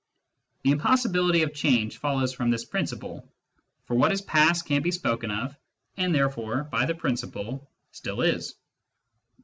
The impossibility of change follows from this principle ; for what is past can be spoken of, and therefore, by the principle, still is.